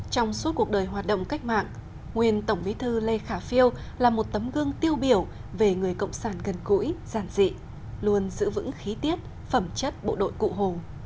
trong suốt cuộc đời hoạt động cách mạng nguyên tổng bí thư lê khả phiêu là một tấm gương tiêu biểu về người cộng sản gần củi giản dị luôn giữ vững khí tiết phẩm chất bộ đội cụ hồ